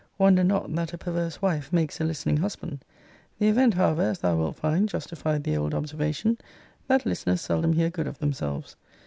Wonder not, that a perverse wife makes a listening husband. The event, however, as thou wilt find, justified the old observation, That listners seldom hear good of themselves.